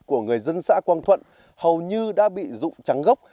của người dân xã quang thuận hầu như đã bị rụng trắng gốc